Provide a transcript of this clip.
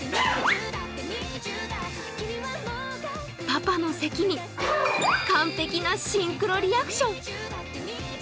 パパの咳に完璧なシンクロリアクション。